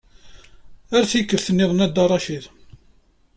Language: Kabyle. Ar tikkelt-nniḍen a Dda Racid.